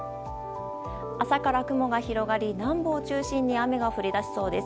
朝から雲が広がり、南部を中心に雨が降り出しそうです。